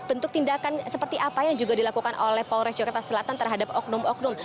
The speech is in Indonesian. bentuk tindakan seperti apa yang juga dilakukan oleh polres jakarta selatan terhadap oknum oknum